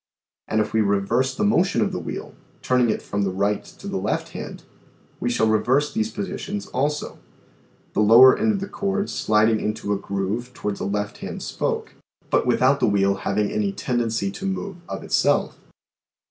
And if we reverse the motion of the wheel, turning it from the right to the left hand, we shall reverse these positions also (the lower end of the cord sliding in a groove towards a left hand spoke), but without the wheel having any tendency to move of itself."